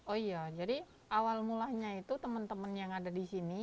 oh iya jadi awal mulanya itu teman teman yang ada di sini